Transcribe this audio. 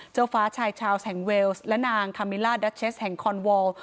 เจ้าฟ้าชายชาวแห่งเวลส์และนางคามิล่าดัชเชสแห่งคอนวอล